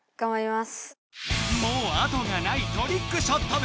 もう後がないトリックショット部！